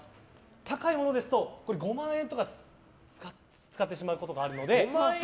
高いものですと５万円とか使ってしまうことがあるので。